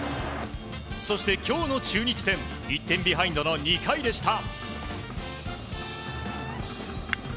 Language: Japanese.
そして、今日の中日戦１点ビハインドの２回でした。